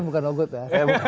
bukan obot ya